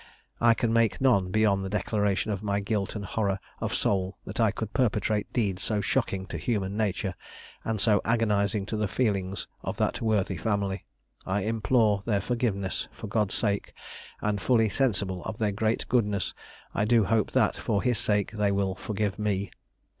I can make none beyond the declaration of my guilt and horror of soul that I could perpetrate deeds so shocking to human nature, and so agonising to the feelings of that worthy family. I implore their forgiveness, for God's sake; and fully sensible of their great goodness, I do hope that, for His sake, they will forgive me.